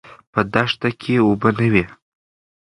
په دښته کې اوبه نه وې.